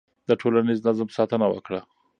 د ټولنیز نظم ساتنه وکړه.